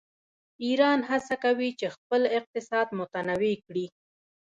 ایران هڅه کوي چې خپل اقتصاد متنوع کړي.